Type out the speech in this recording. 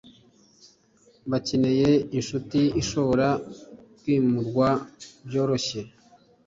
Bakeneye inshuti ishobora kwimurwa byoroshye